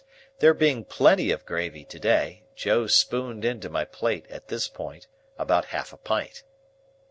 There being plenty of gravy to day, Joe spooned into my plate, at this point, about half a pint.